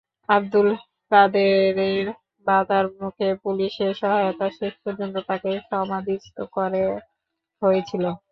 আবদুল কাদেরের বাধার মুখে পুলিশের সহায়তায় শেষ পর্যন্ত তাঁকে সমাধিস্থ করা হয়েছিল।